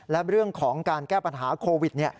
และเรื่องของการแก้ปัญหาโควิด